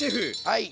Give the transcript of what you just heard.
はい。